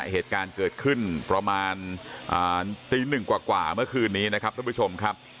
เหตุการณ์เกิดขึ้นประมาณตีหนึ่งกว่าเมื่อคืนนี้นะครับท่านผู้ชมครับ